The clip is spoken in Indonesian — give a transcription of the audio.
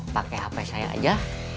pakai hp saya aja